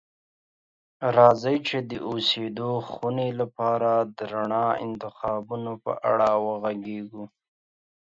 راځئ چې د اوسیدو خونې لپاره د رڼا انتخابونو په اړه وغږیږو.